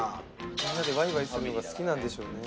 みんなでワイワイするのが好きなんでしょうね。